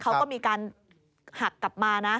เขาก็มีการหักกลับมานะ